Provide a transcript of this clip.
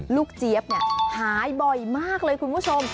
เจี๊ยบเนี่ยหายบ่อยมากเลยคุณผู้ชม